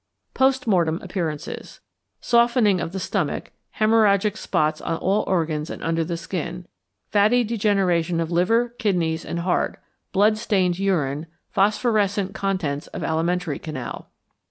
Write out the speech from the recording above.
Post Mortem Appearances. Softening of the stomach, hæmorrhagic spots on all organs and under the skin, fatty degeneration of liver, kidneys, and heart, blood stained urine, phosphorescent contents of alimentary canal.